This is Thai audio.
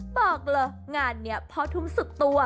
บอกเลยงานนี้พ่อทุ่มสุดตัว